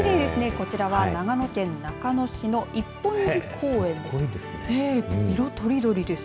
こちらは長野県中野市の一本木公園です。